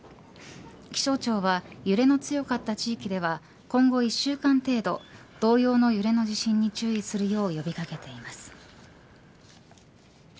気象庁は揺れの強かった地域では今後１週間程度同様の揺れの地震に注意するよう呼び掛けています。